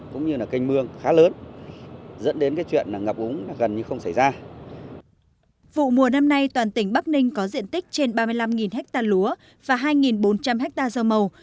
vụ mùa năm nay toàn tỉnh bắc ninh có diện tích trên ba mươi năm ha lúa và hai bốn trăm linh ha rau màu